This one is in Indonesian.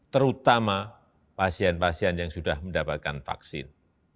terutama pasien yang sudah menerima vaksin